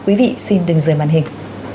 quý vị xin đừng rời màn hình